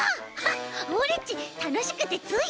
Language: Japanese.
オレっちたのしくてつい。